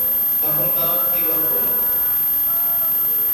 তখন তারা প্রতিবাদ করেন।